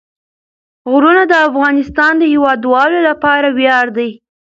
غرونه د افغانستان د هیوادوالو لپاره ویاړ دی.